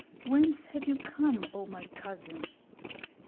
Whence have you come, oh, my cousin?"